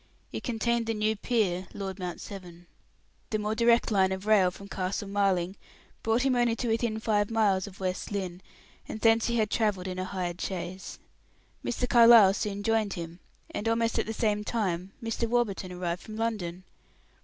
It contained the new peer, Lord Mount Severn. The more direct line of rail from Castle Marling, brought him only to within five miles of West Lynne, and thence he had travelled in a hired chaise. Mr. Carlyle soon joined him, and almost at the same time Mr. Warburton arrived from London.